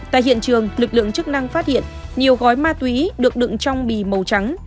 tại hiện trường lực lượng chức năng phát hiện nhiều gói ma túy được đựng trong bì màu trắng